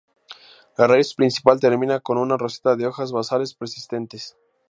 La raíz principal termina con una roseta de hojas basales persistentes.